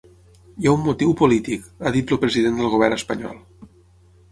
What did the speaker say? Hi ha un motiu polític, ha dit el president del govern espanyol.